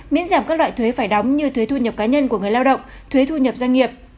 miễn giảm các loại thuế phải đóng như thuế thu nhập cá nhân của người lao động thuế thu nhập doanh nghiệp